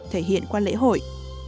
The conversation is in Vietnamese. thể hiện qua lễ hội